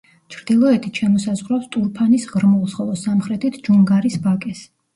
ჩრდილოეთით შემოსაზღვრავს ტურფანის ღრმულს, ხოლო სამხრეთით ჯუნგარის ვაკეს.